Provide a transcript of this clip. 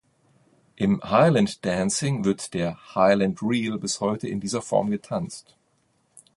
Im Highland Dancing wird der "Highland Reel" bis heute in dieser Form getanzt.